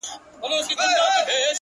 يو نه دی چي و تاته په سرو سترگو ژاړي،